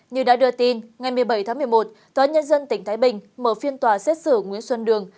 như đã đưa tin ngày một mươi bảy tháng một mươi một tòa nhân dân tỉnh thái bình mở phiên tòa xét xử nguyễn xuân đường